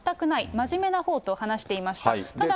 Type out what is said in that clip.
真面目なほうと話していました。